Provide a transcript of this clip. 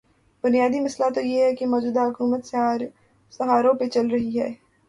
بنیادی مسئلہ تو یہ ہے کہ موجودہ حکومت سہاروں پہ چل رہی ہے۔